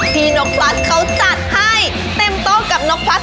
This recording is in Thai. นกพลัดเขาจัดให้เต็มโต๊ะกับนกพลัส